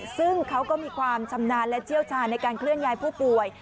ซึ่งเขาก็มีความชำนาญและเชี่ยวชาญในการเคลื่อนย้ายผู้ป่วย